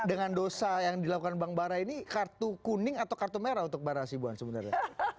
dengan dosa yang dilakukan bang bara ini kartu kuning atau kartu merah untuk bara sibuan sebenarnya